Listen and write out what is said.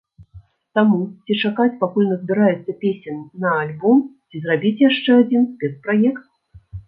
Таму, ці чакаць, пакуль назбіраецца песень на альбом, ці зрабіць яшчэ адзін спецпраект.